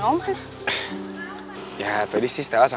kamu sendiri mana